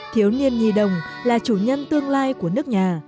thiếu niên nhi đồng là chủ nhân tương lai của nước nhà